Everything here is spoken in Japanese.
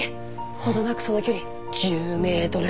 程なくその距離１０メートル！